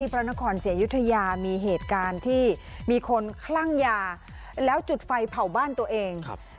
พระนครศรีอยุธยามีเหตุการณ์ที่มีคนคลั่งยาแล้วจุดไฟเผาบ้านตัวเองครับ